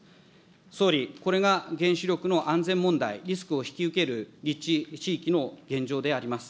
総理、これが原子力の安全問題、リスクを引き受ける立地地域の現状であります。